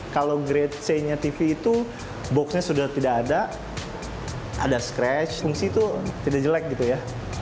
kalau grade c nya tv itu boxnya sudah tidak ada ada scratch fungsi itu tidak jelek gitu ya